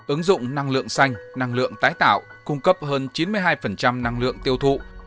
ứng dụng năng lượng xanh năng lượng tái tạo cung cấp hơn chín mươi hai năng lượng tiêu thụ